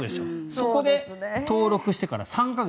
そこで登録してから３か月。